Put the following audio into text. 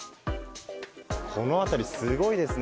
この辺り、すごいですね。